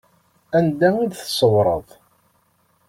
Anda i d-tṣewwreḍ?